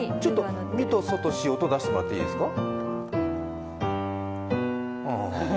音出してもらっていいですか。